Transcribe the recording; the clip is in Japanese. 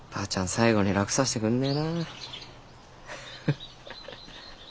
最後にラクさせてくんねえな。